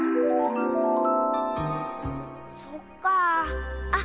そっかあ。